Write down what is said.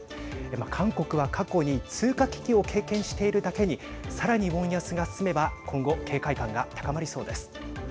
韓国は過去に通貨危機を経験しているだけにさらに、ウォン安が進めば今後、警戒感が高まりそうです。